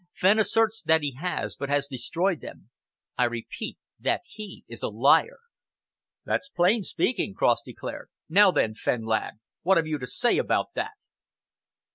Fenn asserts that he has, but has destroyed them. I repeat that he is a liar." "That's plain speaking," Cross declared. "Now, then, Fenn, lad, what have you to say about it?"